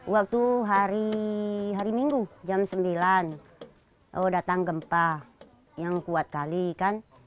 waktu hari minggu jam sembilan datang gempa yang kuat kali kan